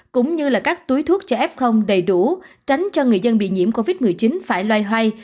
cũng như là các túi thuốc cho f đầy đủ tránh cho người dân bị nhiễm covid một mươi chín phải loay hoay